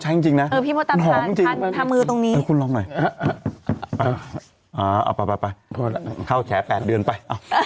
เออเอาป่ะไปพอแล้วเข้าแค้น๘เดือนไป